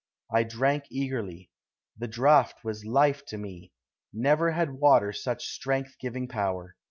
"I drank eagerly. The draught was life to me. Never had water such strength giving power.